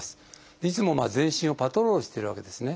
いつも全身をパトロールしてるわけですね。